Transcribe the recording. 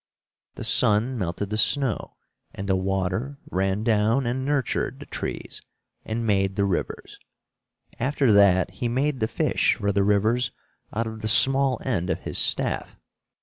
The sun melted the snow, and the water ran down and nurtured the trees and made the rivers. After that he made the fish for the rivers out of the small end of his staff.